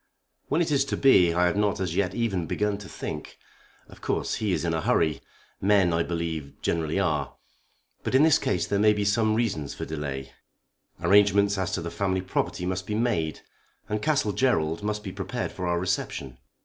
"When it is to be I have not as yet even begun to think. Of course he is in a hurry. Men, I believe, generally are. But in this case there may be some reasons for delay. Arrangements as to the family property must be made, and Castle Gerald must be prepared for our reception.